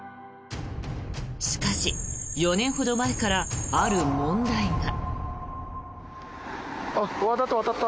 しかし、４年ほど前からある問題が。